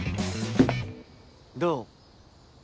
どう？